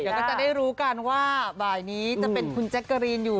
เดี๋ยวก็จะได้รู้กันว่าบ่ายนี้จะเป็นคุณแจ๊กกะรีนอยู่